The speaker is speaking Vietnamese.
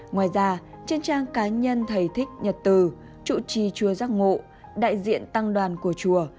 ngoài ra trên trang cá nhân thầy thích nhật từ chủ trì chùa giác ngộ đại diện tăng đoàn của chùa